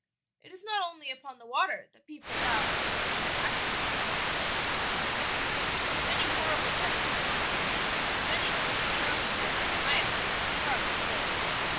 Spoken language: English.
"It is not only upon the water that people die by what we call accident, daughter," the captain answered; "many horrible deaths occur on land many to which drowning would in my opinion be far preferable.